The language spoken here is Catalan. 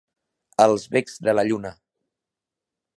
Els becs de la lluna.